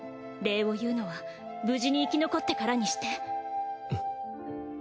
礼を言うのは無事に生き残ってからにして。